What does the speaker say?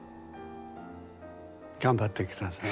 頑張ってください。